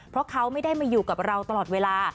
เพราะเขาไม่ได้มาอยู่กับเราตลอดเวลา